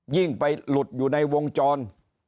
ยิ่งไปหลุดอยู่ในวงจร